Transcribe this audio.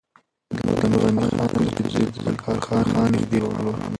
عبدالغني خان الکوزی د ذوالفقار خان نږدې خپلوان و.